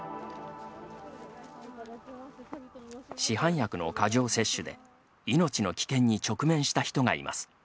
市販薬の過剰摂取で命の危険に直面した人がいます。